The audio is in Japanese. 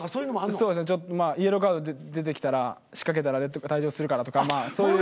そうですねちょっとイエローカード出てきたら仕掛けたらレッドで退場するからとかまあそういう。